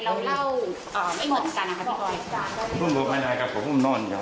แล้วพื้นรั่นเกิดเห็นมันเป็นยังไงทำไมเราเล่าไม่เหมือนกันค่ะพี่บอย